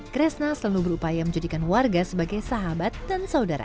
kresna selalu berupaya menjadikan warga sebagai sahabat dan saudara